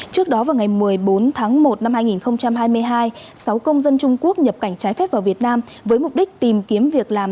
trước đó vào ngày một mươi bốn tháng một năm hai nghìn hai mươi hai sáu công dân trung quốc nhập cảnh trái phép vào việt nam với mục đích tìm kiếm việc làm